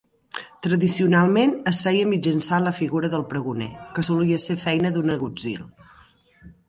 Tradicionalment es feia mitjançant la figura del pregoner, que solia ser feina d'un agutzil.